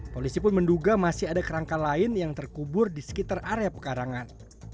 polisi pun menduga masih ada kerangka lain yang terkubur di sekitar area pekarangan